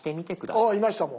あっいましたもう。